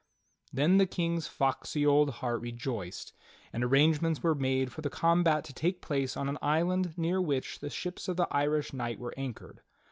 Then the King's foxy old heart rejoiced, and arrangements were made for the combat to take place on an island near which the ships of the Irish knight were anchored.